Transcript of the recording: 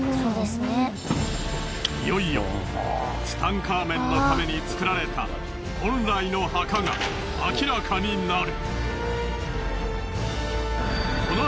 いよいよツタンカーメンのために造られた本来の墓が明らかになる。